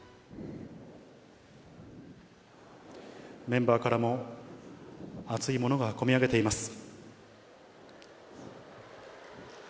メンバーからも熱いものがこみ上げています。